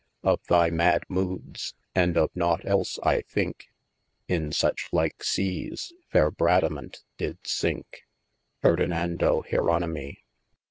( Of thy mad moodes, and of naught else I thinke, In such like seas, faire Bradamant did sincke Ferdinando. Jeronimy.